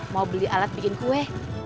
mau beli alat bikin kue